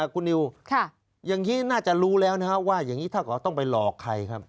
คุณนิวอย่างนี้น่าจะรู้แล้วนะครับว่าอย่างนี้ถ้าเขาต้องไปหลอกใครครับ